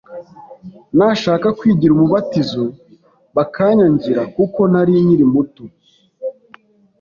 Nashaka kwigira umubatizo bakanyangira kuko nari nkiri muto